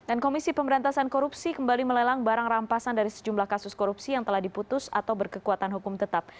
dan komisi pemberantasan korupsi kembali melelang barang rampasan dari sejumlah kasus korupsi yang telah diputus atau berkekuatan hukum tetap